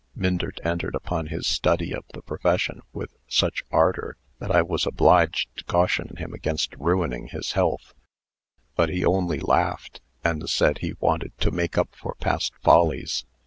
"Myndert entered upon his study of the profession with such ardor, that I was obliged to caution him against ruining his health. But he only laughed, and said he wanted to make up for past follies.